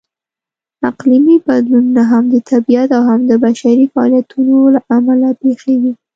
اقلیمي بدلونونه هم د طبیعت او هم د بشري فعالیتونو لهامله پېښېږي.